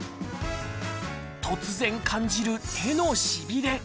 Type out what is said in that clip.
突然感じる手のしびれ。